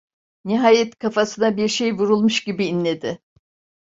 Nihayet kafasına bir şey vurulmuş gibi inledi.